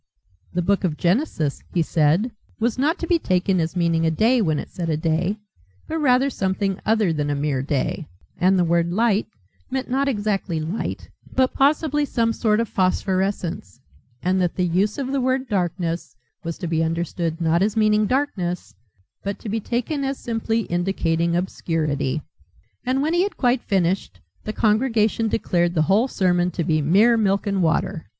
The book of Genesis, he said was not to be taken as meaning a day when it said a day, but rather something other than a mere day; and the word "light" meant not exactly light but possibly some sort of phosphorescence, and that the use of the word "darkness" was to be understood not as meaning darkness, but to be taken as simply indicating obscurity. And when he had quite finished, the congregation declared the whole sermon to be mere milk and water.